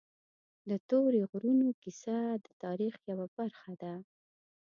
د تورې غرونو کیسه د تاریخ یوه برخه ده.